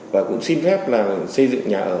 và cũng xin phép là xây dựng nhà ở